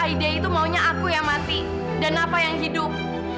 aida itu maunya aku yang mati dan napa yang hidup